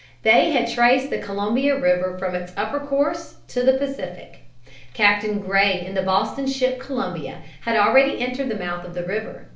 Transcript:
They had traced the Columbia River from its upper course to the Pacific. Captain Gray in the Boston ship Columbia had already entered the mouth of the river.